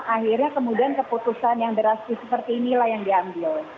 akhirnya kemudian keputusan yang drastis seperti inilah yang diambil